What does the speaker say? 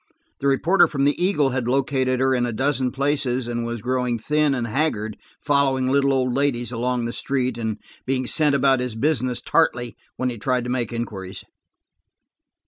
The reporter from the Eagle had located her in a dozen places, and was growing thin and haggard following little old ladies along the street–and being sent about his business tartly when he tried to make inquiries.